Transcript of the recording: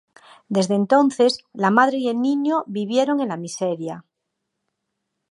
Desde entonces, la madre y el niño, vivieron en la miseria.